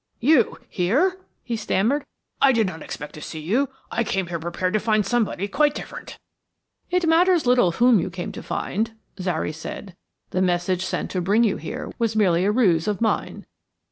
"You here!" he stammered. "I did not expect to see you I came here prepared to find somebody quite different." "It matters little whom you came to find," Zary said. "The message sent to bring you here was merely a ruse of mine.